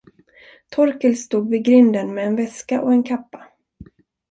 Torkel stod vid grinden med en väska och en kappa.